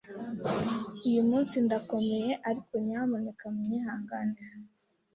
Uyu munsi ndakomeye, ariko nyamuneka munyihanganire.